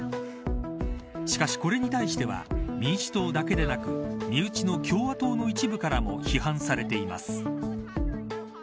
これに対しては民主党だけでなく身内の共和党の一部からも批判されています。